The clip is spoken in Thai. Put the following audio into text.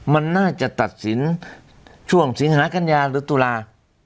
มันน่าจะตัดสินช่วงสิงหากัญญาหรือตุลา